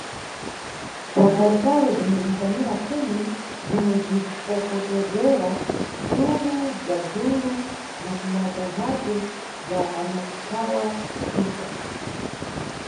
Bzwakalekale bzwa kukwanira khumi bzwomwe bzwinfokotozera bzwulu bzwa bzwulu makumatanthatu bzwa anyakuthawa mphicha.